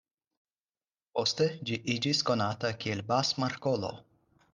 Poste ĝi iĝis konata kiel Bass-Markolo.